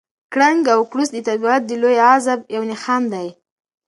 کړنګ او کړوس د طبیعت د لوی غضب یو نښان دی.